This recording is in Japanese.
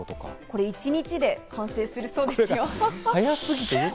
これ一日で完成するそうですよ。